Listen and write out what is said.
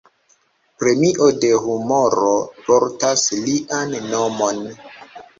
Premio de humoro portas lian nomon.